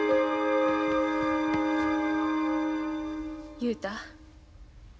雄太。